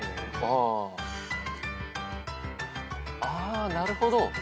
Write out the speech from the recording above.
あなるほど。